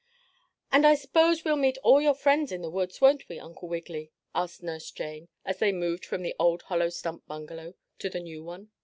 "And I s'pose we'll meet all your friends in the woods, won't we, Uncle Wiggily?" asked Nurse Jane, as they moved from the old hollow stump bungalow to the new one.